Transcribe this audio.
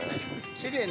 ◆きれいね。